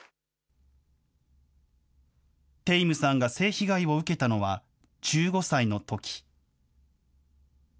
テイムさんが性被害を受けたのは１５歳のとき。